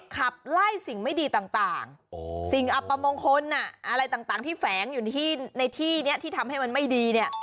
ขับไล่สิ่งไม่ดีต่างสิ่งอัปมงคลอะไรต่างที่แฝงอยู่ในที่นี้ที่ทำให้มันไม่ดีเนี่ย